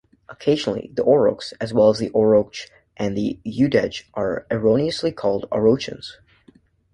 Occasionally, the Oroks, as well as the Orochs and Udege, are erroneously called Orochons.